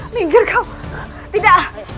minggir kau tidak